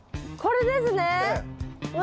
これですね？